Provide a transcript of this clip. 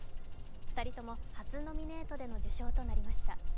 ２人とも初ノミネートでの受賞となりました。